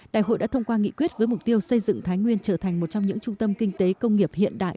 đại hội đã thông qua nghị quyết với mục tiêu xây dựng thái nguyên trở thành một trong những trung tâm kinh tế công nghiệp hiện đại